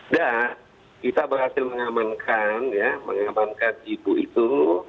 nah kita berhasil mengamankan ya mengamankan ibu itu